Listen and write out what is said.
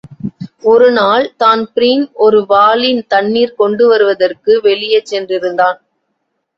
ஒருநாள் தான்பிரீன் ஒரு வாளி தண்ணீர் கொண்டுவருவதற்கு வெளியே சென்றிருந்தான்.